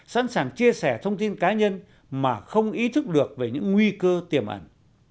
sẵn sàng chia sẻ thông tin cá nhân mà không ý thức được về những nguy cơ tiềm ẩn